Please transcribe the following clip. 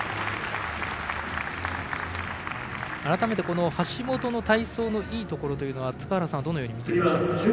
改めて橋本の体操のいいところは塚原さんはどのようにみてますか。